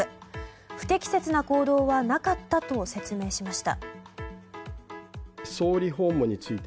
不適切な行動はなかったと説明しました。